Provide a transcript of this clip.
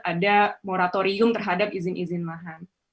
ada moratorium terhadap izin izin mahal